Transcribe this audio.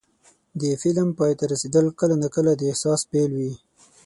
د فلم پای ته رسېدل کله ناکله د احساس پیل وي.